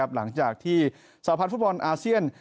หลังจากที่สาพันธ์ฟุตบอลอาเซียน